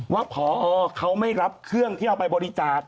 ว่าพอเขาไม่รับเครื่องที่เอาไปบริจาค